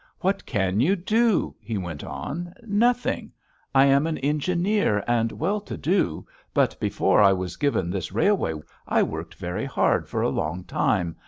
"What can you do?" he went on. "Nothing! I am an engineer and well to do, but before I was given this railway I worked very hard for a long time.